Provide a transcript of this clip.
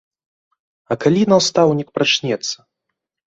А калі настаўнік прачнецца?